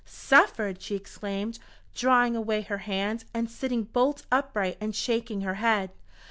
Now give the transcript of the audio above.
"Suffered!" she exclaimed, drawing away her hand, and sitting bolt upright and shaking her head.